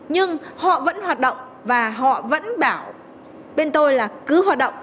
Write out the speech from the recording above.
nhưng họ vẫn hoạt động và họ vẫn bảo bên tôi là cứ hoạt động